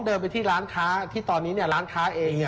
เดินไปที่ร้านค้าที่ตอนนี้ร้านค้าเอง